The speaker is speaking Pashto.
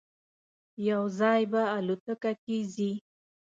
یو ځای به الوتکه کې ځی.